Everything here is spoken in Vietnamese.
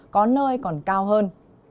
có nơi còn cao hơn